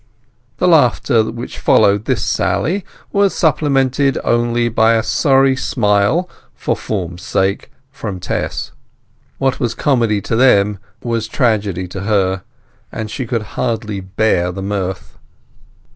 The laughter which followed this sally was supplemented only by a sorry smile, for form's sake, from Tess. What was comedy to them was tragedy to her; and she could hardly bear their mirth.